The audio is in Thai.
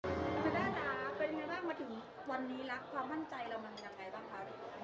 คุณชนะจ๋าเป็นยังไงบ้างมาถึงวันนี้แล้วความมั่นใจเรามันยังไงบ้างคะ